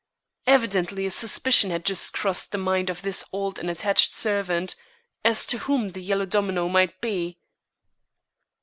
Evidently a suspicion had just crossed the mind of this old and attached servant as to whom the Yellow Domino might be.